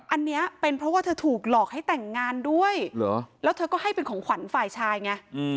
อันนี้เป็นเพราะว่าเธอถูกหลอกให้แต่งงานด้วยแล้วเธอก็ให้เป็นของขวัญฝ่ายชายไง